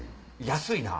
安いな！